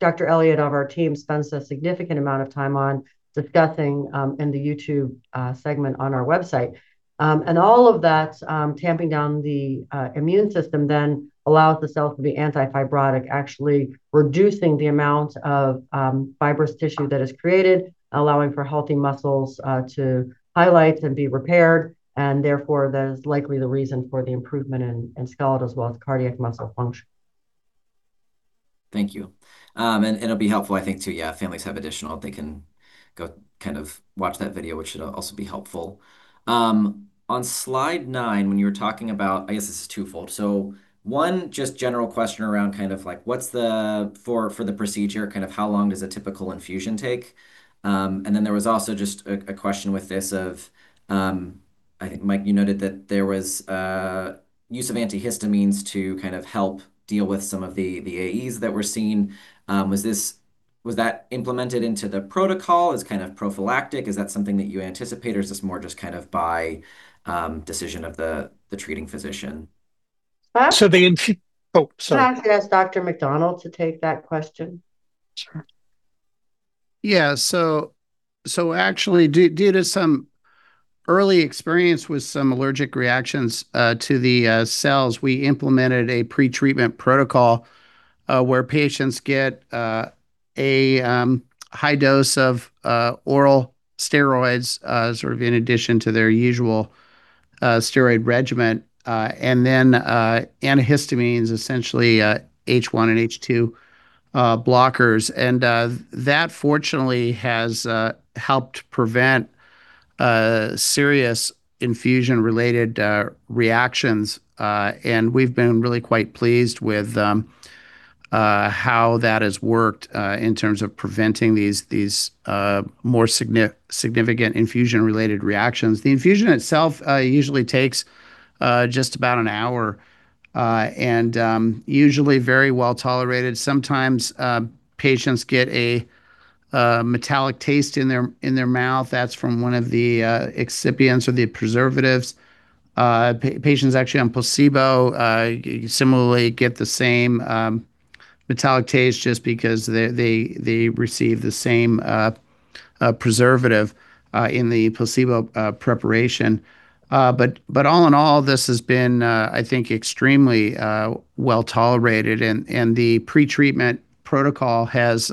Dr. Elliott of our team spends a significant amount of time on discussing in the YouTube segment on our website. And all of that tamping down the immune system then allows the cells to be anti-fibrotic, actually reducing the amount of fibrous tissue that is created, allowing for healthy muscles to heal and be repaired. Therefore, that is likely the reason for the improvement in skeletal as well as cardiac muscle function. Thank you. And it'll be helpful, I think, too, yeah, families have additional, they can go kind of watch that video, which should also be helpful. On slide 9, when you were talking about, I guess this is twofold. So one just general question around kind of what's the for the procedure, kind of how long does a typical infusion take? And then there was also just a question with this of, I think, Mike, you noted that there was use of antihistamines to kind of help deal with some of the AEs that were seen. Was that implemented into the protocol as kind of prophylactic? Is that something that you anticipate? Or is this more just kind of by decision of the treating physician? So the. I'll ask Dr. McDonald to take that question. Sure. Yeah. So actually, due to some early experience with some allergic reactions to the cells, we implemented a pretreatment protocol where patients get a high dose of oral steroids sort of in addition to their usual steroid regimen, and then antihistamines, essentially H1 and H2 blockers, and that, fortunately, has helped prevent serious infusion-related reactions, and we've been really quite pleased with how that has worked in terms of preventing these more significant infusion-related reactions. The infusion itself usually takes just about an hour and usually very well tolerated. Sometimes patients get a metallic taste in their mouth. That's from one of the excipients or the preservatives. Patients actually on placebo similarly get the same metallic taste just because they receive the same preservative in the placebo preparation, but all in all, this has been, I think, extremely well tolerated, and the pretreatment protocol has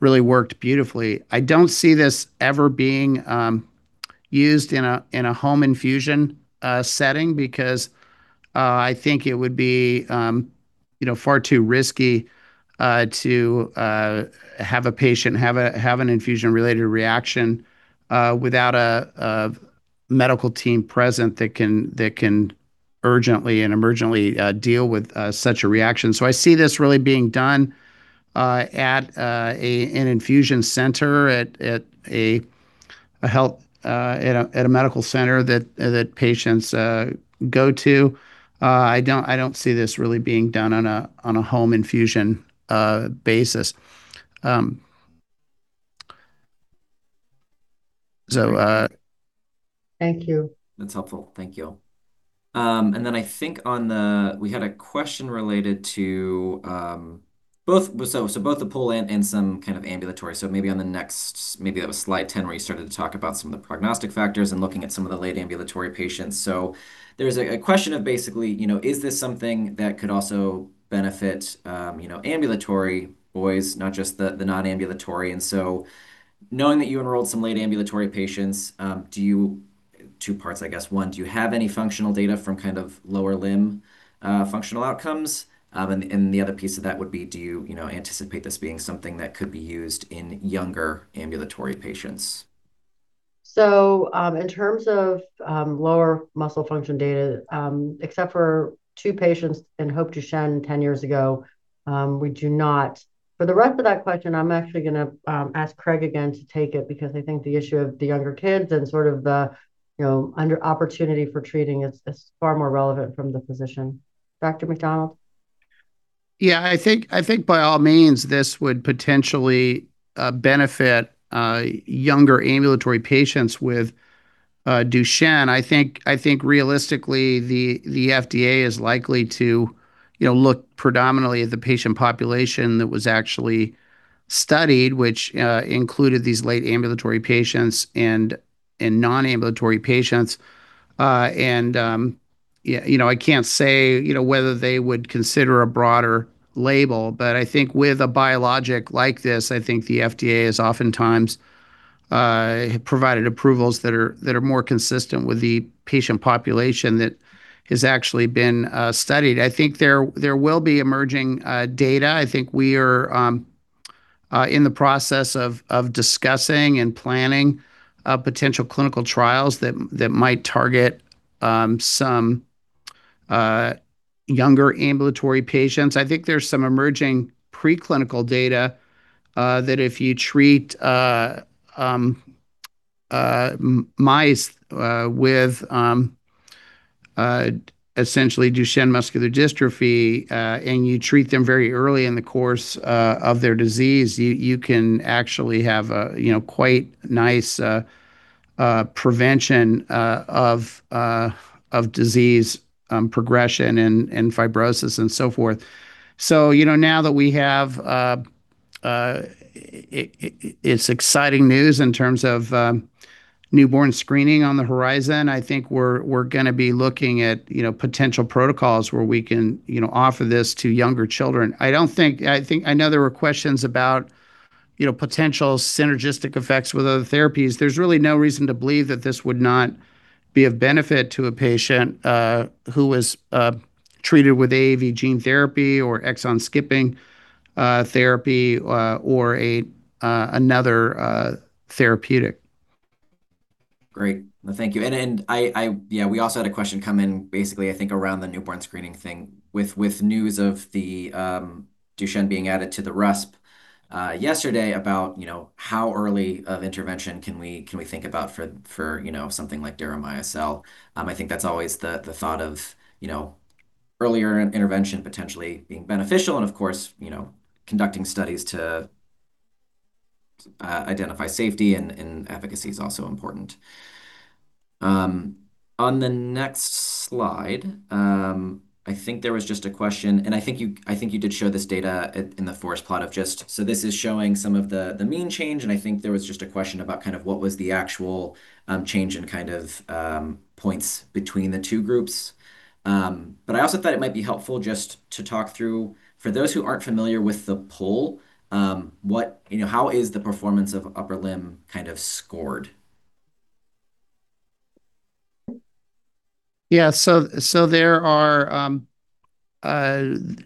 really worked beautifully. I don't see this ever being used in a home infusion setting because I think it would be far too risky to have a patient have an infusion-related reaction without a medical team present that can urgently and emergently deal with such a reaction. So I see this really being done at an infusion center, at a medical center that patients go to. I don't see this really being done on a home infusion basis. So. Thank you. That's helpful. Thank you. And then I think on the, we had a question related to both, so both the PUL and some kind of ambulatory. So maybe on the next, maybe that was slide 10 where you started to talk about some of the prognostic factors and looking at some of the late ambulatory patients. So there's a question of basically, is this something that could also benefit ambulatory boys, not just the non-ambulatory? And so knowing that you enrolled some late ambulatory patients, do you two parts, I guess. One, do you have any functional data from kind of lower limb functional outcomes? And the other piece of that would be, do you anticipate this being something that could be used in younger ambulatory patients? So in terms of lower muscle function data, except for two patients in HOPE-Duchenne 10 years ago, we do not. For the rest of that question, I'm actually going to ask Craig again to take it because I think the issue of the younger kids and sort of the opportunity for treating is far more relevant from the physician. Dr. McDonald? Yeah. I think by all means, this would potentially benefit younger ambulatory patients with Duchenne. I think realistically, the FDA is likely to look predominantly at the patient population that was actually studied, which included these late ambulatory patients and non-ambulatory patients. And I can't say whether they would consider a broader label. But I think with a biologic like this, I think the FDA has oftentimes provided approvals that are more consistent with the patient population that has actually been studied. I think there will be emerging data. I think we are in the process of discussing and planning potential clinical trials that might target some younger ambulatory patients. I think there's some emerging preclinical data that if you treat mice with essentially Duchenne muscular dystrophy and you treat them very early in the course of their disease, you can actually have quite nice prevention of disease progression and fibrosis and so forth. So now that we have, it's exciting news in terms of newborn screening on the horizon. I think we're going to be looking at potential protocols where we can offer this to younger children. I think I know there were questions about potential synergistic effects with other therapies. There's really no reason to believe that this would not be of benefit to a patient who was treated with AAV gene therapy or exon skipping therapy or another therapeutic. Great. Well, thank you. And yeah, we also had a question come in basically, I think, around the newborn screening thing with news of the Duchenne being added to the RUSP yesterday about how early of intervention can we think about for something like Deramiocel. I think that's always the thought of earlier intervention potentially being beneficial. And of course, conducting studies to identify safety and efficacy is also important. On the next slide, I think there was just a question. And I think you did show this data in the forest plot of just. So this is showing some of the mean change. And I think there was just a question about kind of what was the actual change in kind of points between the two groups. But I also thought it might be helpful just to talk through, for those who aren't familiar with the PUL, how is the performance of upper limb kind of scored? Yeah. So there are an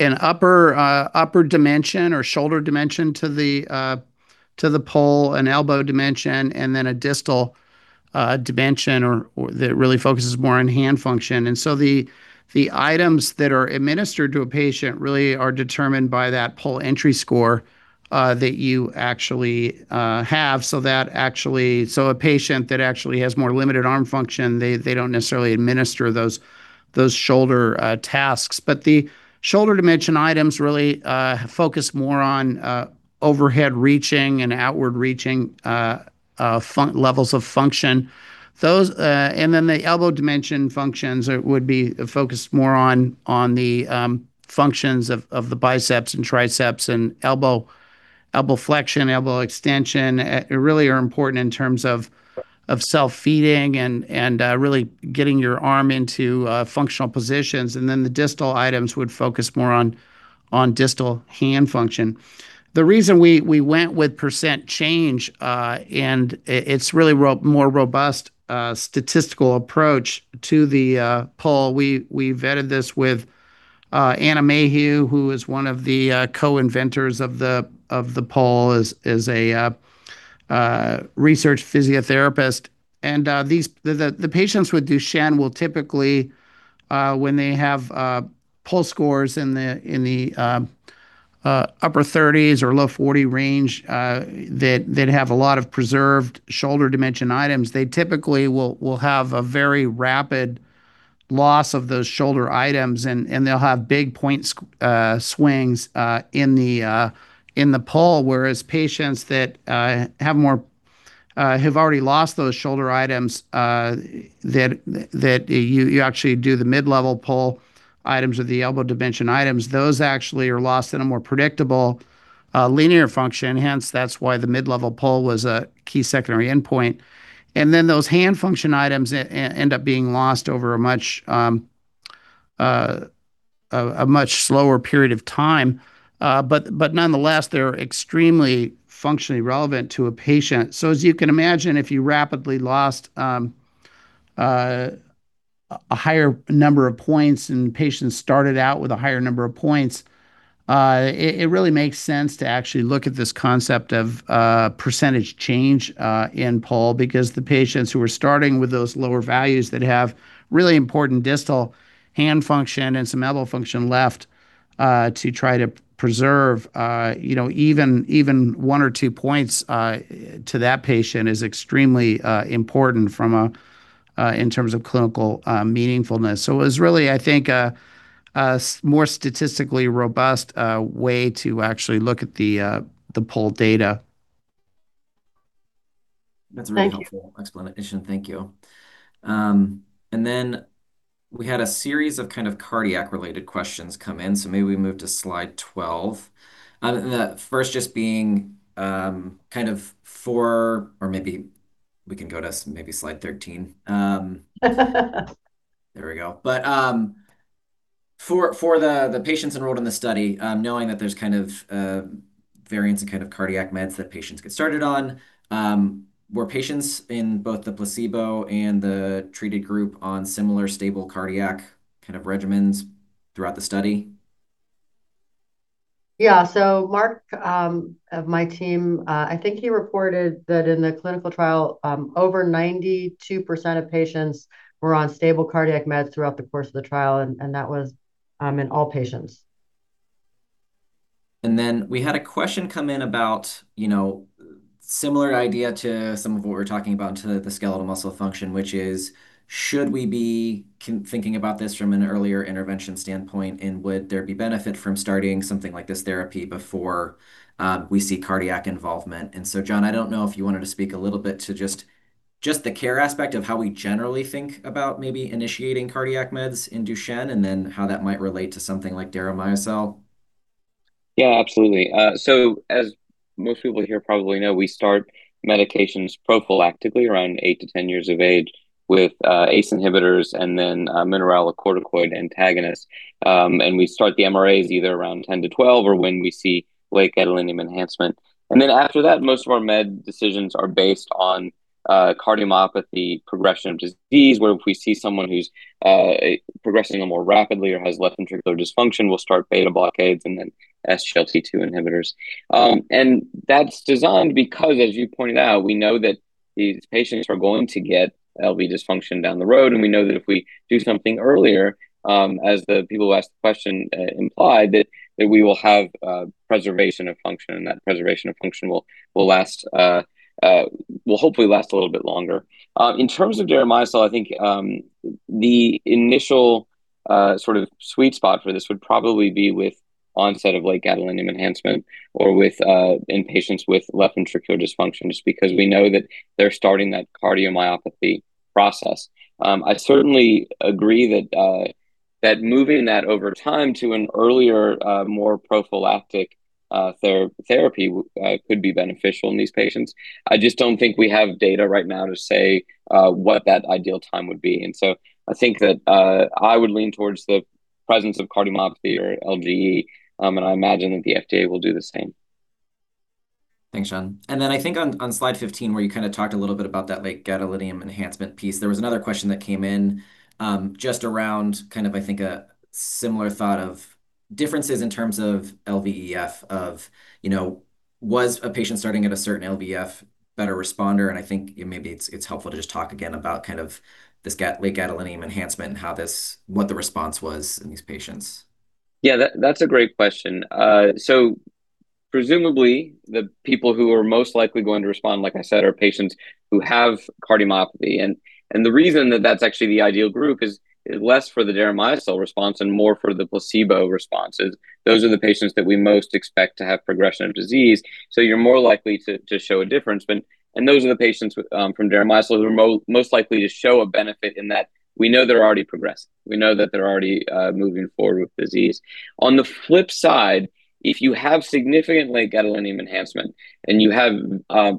upper dimension or shoulder dimension to the PUL and elbow dimension, and then a distal dimension that really focuses more on hand function. And so the items that are administered to a patient really are determined by that PUL entry score that you actually have. So a patient that actually has more limited arm function, they don't necessarily administer those shoulder tasks. But the shoulder dimension items really focus more on overhead reaching and outward reaching levels of function. And then the elbow dimension functions would be focused more on the functions of the biceps and triceps and elbow flexion, elbow extension. It really is important in terms of self-feeding and really getting your arm into functional positions. And then the distal items would focus more on distal hand function. The reason we went with percent change and it's really more robust statistical approach to the PUL, we vetted this with Anna Mayhew, who is one of the co-inventors of the PUL, is a research physiotherapist. The patients with Duchenne will typically, when they have PUL scores in the upper 30s or low 40 range that have a lot of preserved shoulder dimension items, they typically will have a very rapid loss of those shoulder items. And they'll have big point swings in the PUL, whereas patients that have already lost those shoulder items that you actually do the mid-level PUL items or the elbow dimension items, those actually are lost in a more predictable linear function. Hence, that's why the mid-level PUL was a key secondary endpoint. Then those hand function items end up being lost over a much slower period of time. But nonetheless, they're extremely functionally relevant to a patient. So as you can imagine, if you rapidly lost a higher number of points and patients started out with a higher number of points, it really makes sense to actually look at this concept of percentage change in PUL because the patients who are starting with those lower values that have really important distal hand function and some elbow function left to try to preserve even one or two points to that patient is extremely important in terms of clinical meaningfulness. So it was really, I think, a more statistically robust way to actually look at the PUL data. That's a really helpful explanation. Thank you. And then we had a series of kind of cardiac-related questions come in. So maybe we move to slide 12. First, maybe we can go to slide 13. There we go. But for the patients enrolled in the study, knowing that there's kind of variants in kind of cardiac meds that patients get started on, were patients in both the placebo and the treated group on similar stable cardiac kind of regimens throughout the study? Yeah. So Mark on my team, I think he reported that in the clinical trial, over 92% of patients were on stable cardiac meds throughout the course of the trial. And that was in all patients. And then we had a question come in about a similar idea to some of what we're talking about to the skeletal muscle function, which is, should we be thinking about this from an earlier intervention standpoint? And would there be benefit from starting something like this therapy before we see cardiac involvement? And so, Jon, I don't know if you wanted to speak a little bit to just the care aspect of how we generally think about maybe initiating cardiac meds in Duchenne and then how that might relate to something like Deramiocel. Yeah, absolutely. So as most people here probably know, we start medications prophylactically around eight to 10 years of age with ACE inhibitors and then mineralocorticoid antagonists. And we start the MRAs either around 10 to 12 or when we see late gadolinium enhancement. And then after that, most of our med decisions are based on cardiomyopathy progression of disease. Where if we see someone who's progressing more rapidly or has left ventricular dysfunction, we'll start beta blockers and then SGLT2 inhibitors. And that's designed because, as you pointed out, we know that these patients are going to get LV dysfunction down the road. And we know that if we do something earlier, as the people who asked the question implied, that we will have preservation of function. And that preservation of function will hopefully last a little bit longer. In terms of Deramiocel, I think the initial sort of sweet spot for this would probably be with onset of late gadolinium enhancement or in patients with left ventricular dysfunction just because we know that they're starting that cardiomyopathy process. I certainly agree that moving that over time to an earlier, more prophylactic therapy could be beneficial in these patients. I just don't think we have data right now to say what that ideal time would be. I think that I would lean towards the presence of cardiomyopathy or LGE. I imagine that the FDA will do the same. Thanks, Jon. And then I think on slide 15, where you kind of talked a little bit about that late gadolinium enhancement piece, there was another question that came in just around kind of, I think, a similar thought of differences in terms of LVEF, or was a patient starting at a certain LVEF better responder? And I think maybe it's helpful to just talk again about kind of this late gadolinium enhancement and what the response was in these patients. Yeah, that's a great question. So presumably, the people who are most likely going to respond, like I said, are patients who have cardiomyopathy. And the reason that that's actually the ideal group is less for the Deramiocel response and more for the placebo responses. Those are the patients that we most expect to have progression of disease. So you're more likely to show a difference. And those are the patients from Deramiocel who are most likely to show a benefit in that we know they're already progressing. We know that they're already moving forward with disease. On the flip side, if you have significant late gadolinium enhancement and you have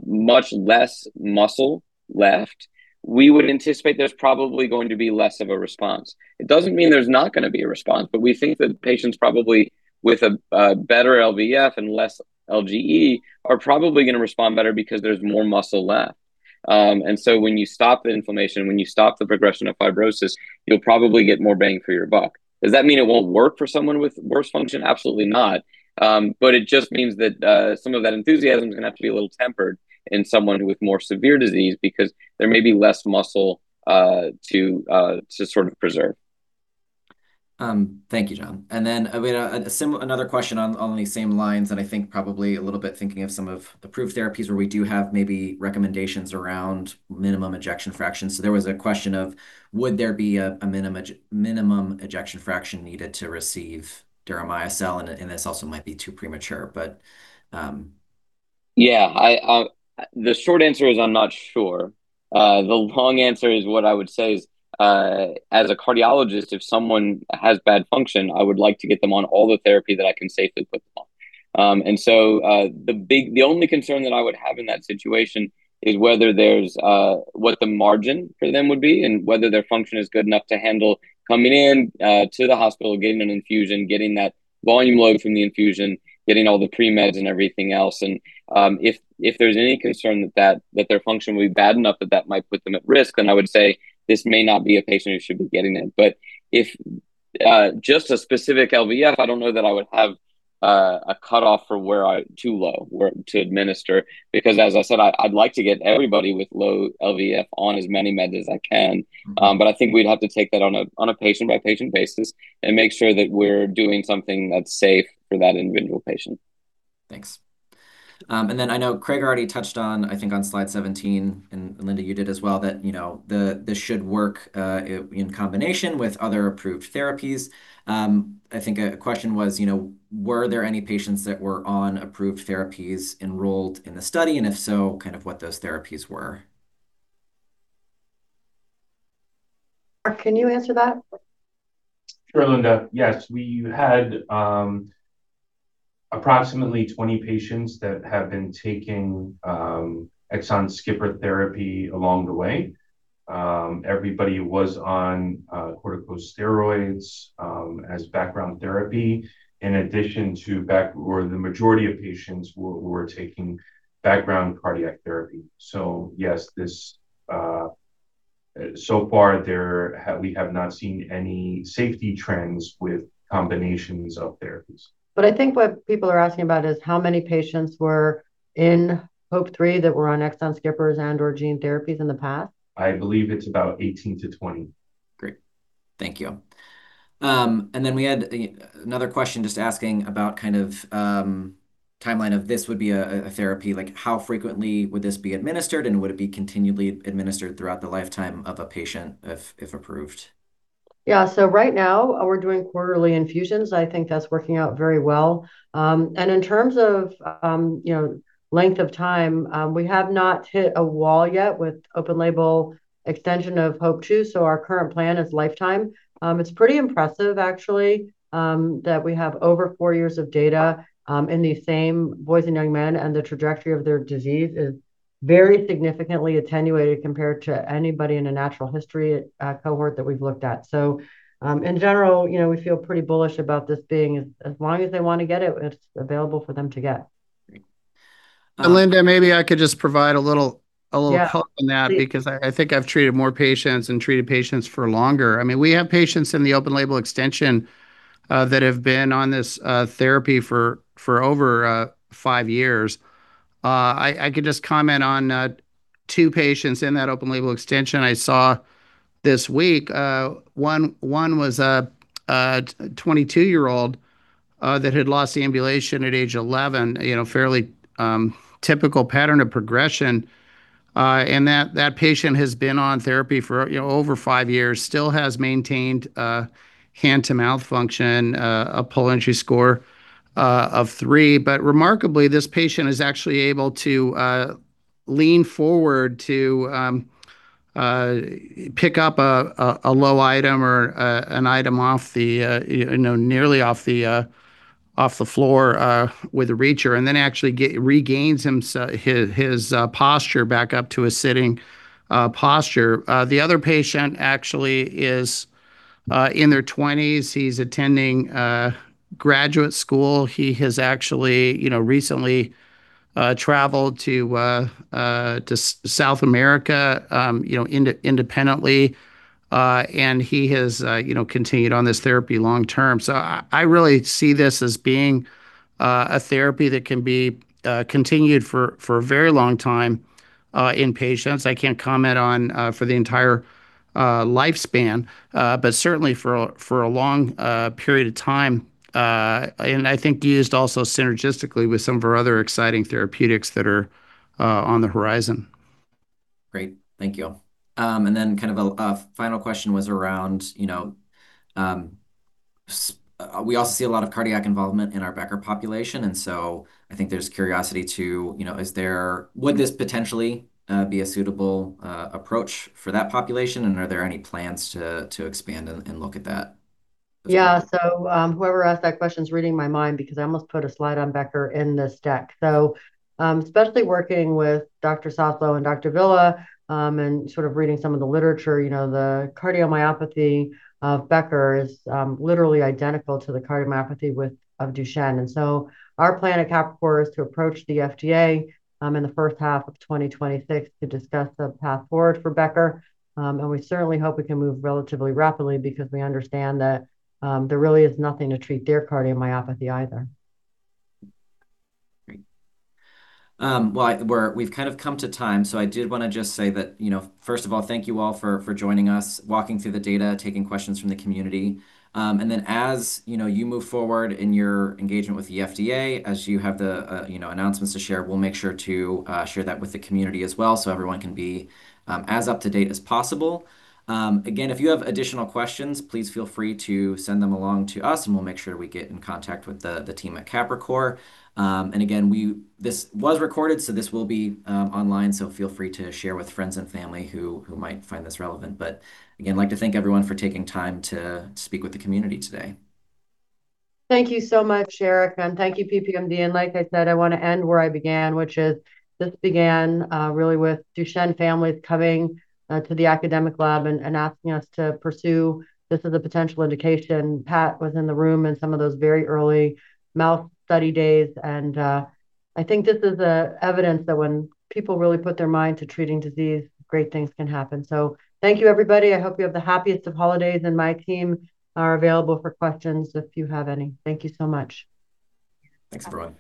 much less muscle left, we would anticipate there's probably going to be less of a response. It doesn't mean there's not going to be a response, but we think that patients probably with a better LVEF and less LGE are probably going to respond better because there's more muscle left. And so when you stop the inflammation, when you stop the progression of fibrosis, you'll probably get more bang for your buck. Does that mean it won't work for someone with worse function? Absolutely not. But it just means that some of that enthusiasm is going to have to be a little tempered in someone with more severe disease because there may be less muscle to sort of preserve. Thank you, Jon. And then another question on the same lines, and I think probably a little bit thinking of some of the approved therapies where we do have maybe recommendations around minimum ejection fraction. So there was a question of, would there be a minimum ejection fraction needed to receive Deramiocel? And this also might be too premature, but. Yeah. The short answer is I'm not sure. The long answer is what I would say is, as a cardiologist, if someone has bad function, I would like to get them on all the therapy that I can safely put them on. And so the only concern that I would have in that situation is whether there's what the margin for them would be and whether their function is good enough to handle coming in to the hospital, getting an infusion, getting that volume load from the infusion, getting all the premeds and everything else. And if there's any concern that their function will be bad enough that that might put them at risk, then I would say this may not be a patient who should be getting it. But if just a specific LVEF, I don't know that I would have a cutoff for where too low to administer because, as I said, I'd like to get everybody with low LVEF on as many meds as I can. But I think we'd have to take that on a patient-by-patient basis and make sure that we're doing something that's safe for that individual patient. Thanks. And then I know Craig already touched on, I think, on slide 17, and Linda, you did as well, that this should work in combination with other approved therapies. I think a question was, were there any patients that were on approved therapies enrolled in the study? And if so, kind of what those therapies were? Can you answer that? Sure, Linda. Yes. We had approximately 20 patients that have been taking exon skipping therapy along the way. Everybody was on corticosteroids as background therapy in addition to where the majority of patients were taking background cardiac therapy. So yes, so far, we have not seen any safety trends with combinations of therapies. But I think what people are asking about is how many patients were in HOPE-3 that were on exon skippers and/or gene therapies in the past? I believe it's about 18 to 20. Great. Thank you. And then we had another question just asking about kind of timeline of this would be a therapy. How frequently would this be administered? And would it be continually administered throughout the lifetime of a patient if approved? Yeah. So right now, we're doing quarterly infusions. I think that's working out very well. And in terms of length of time, we have not hit a wall yet with open-label extension of HOPE-2. So our current plan is lifetime. It's pretty impressive, actually, that we have over four years of data in these same boys and young men. And the trajectory of their disease is very significantly attenuated compared to anybody in a natural history cohort that we've looked at. So in general, we feel pretty bullish about this being as long as they want to get it, it's available for them to get. And Linda, maybe I could just provide a little help on that because I think I've treated more patients and treated patients for longer. I mean, we have patients in the open-label extension that have been on this therapy for over five years. I can just comment on two patients in that open-label extension I saw this week. One was a 22-year-old that had lost the ambulation at age 11, fairly typical pattern of progression. And that patient has been on therapy for over five years, still has maintained hand-to-mouth function, a PUL entry score of three. But remarkably, this patient is actually able to lean forward to pick up a low item or an item nearly off the floor with a reacher and then actually regains his posture back up to a sitting posture. The other patient actually is in their 20s. He's attending graduate school. He has actually recently traveled to South America independently, and he has continued on this therapy long term, so I really see this as being a therapy that can be continued for a very long time in patients. I can't comment on for the entire lifespan, but certainly for a long period of time, and I think used also synergistically with some of our other exciting therapeutics that are on the horizon. Great. Thank you. And then kind of a final question was around, we also see a lot of cardiac involvement in our Becker population. And so I think there's curiosity to, would this potentially be a suitable approach for that population? And are there any plans to expand and look at that? Yeah. So whoever asked that question is reading my mind because I almost put a slide on Becker in this deck. So especially working with Dr. Soslow and Dr. Villa and sort of reading some of the literature, the cardiomyopathy of Becker is literally identical to the cardiomyopathy of Duchenne. And so our plan at Capricor is to approach the FDA in the first half of 2026 to discuss the path forward for Becker. And we certainly hope we can move relatively rapidly because we understand that there really is nothing to treat their cardiomyopathy either. Great. Well, we've kind of come to time. So I did want to just say that, first of all, thank you all for joining us, walking through the data, taking questions from the community. And then as you move forward in your engagement with the FDA, as you have the announcements to share, we'll make sure to share that with the community as well so everyone can be as up to date as possible. Again, if you have additional questions, please feel free to send them along to us, and we'll make sure we get in contact with the team at Capricor. And again, this was recorded, so this will be online. So feel free to share with friends and family who might find this relevant. But again, I'd like to thank everyone for taking time to speak with the community today. Thank you so much, Eric. And thank you, PPMD. And like I said, I want to end where I began, which is this began really with Duchenne families coming to the academic lab and asking us to pursue this as a potential indication. Pat was in the room in some of those very early mouse study days. And I think this is evidence that when people really put their mind to treating disease, great things can happen. So thank you, everybody. I hope you have the happiest of holidays, and my team are available for questions if you have any. Thank you so much. Thanks everyone.